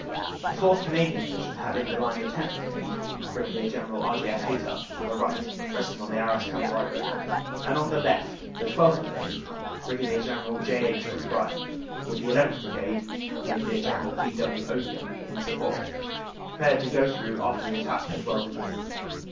The 4th. Canadian Division had in the line the 10th. Bri gade, Brig. General R. J. F. Hayter, on the right, resting on the Arras Cambrai road, and on the left the 12th. Brigade, Brig. General J. H. McBrien, with the llth. Brigade, Brig. General V. W. Odium, in support, prepared to go through after the attack had well developed.